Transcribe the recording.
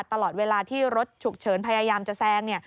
ตลอดเวลาที่รถฉุกเฉินพยายามจะแซงเนี่ย